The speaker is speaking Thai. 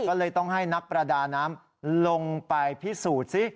ก็เลยต้องให้นักประดาน้ำลงไปพิสูจน์ซิ